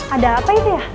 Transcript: ada apa itu ya